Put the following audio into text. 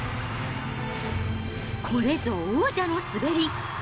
これぞ王者の滑り。